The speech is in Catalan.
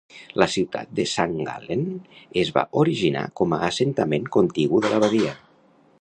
La ciutat de Sankt Gallen es va originar com a assentament contigu de l'abadia.